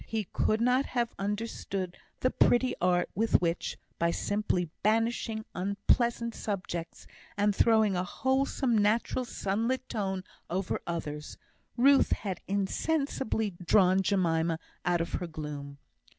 He could not have understood the pretty art with which, by simply banishing unpleasant subjects, and throwing a wholesome natural sunlit tone over others, Ruth had insensibly drawn Jemima out of her gloom.